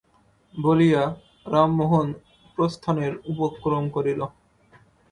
বলিয়া রামমোহন প্রস্থানের উপক্রম করিল।